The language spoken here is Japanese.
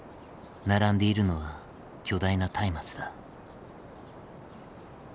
並んでいるのは巨大な松明だ。